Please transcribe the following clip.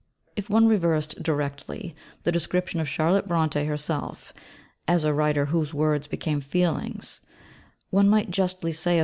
If one reversed directly the description of Charlotte Brontë herself, as a writer whose words became feelings, one might justly say of M.